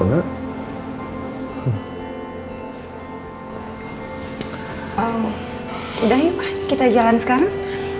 udah ya pak kita jalan sekarang